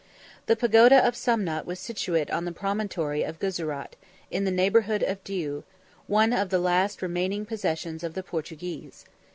The pagoda of Sumnat was situate on the promontory of Guzarat, in the neighborhood of Diu, one of the last remaining possessions of the Portuguese.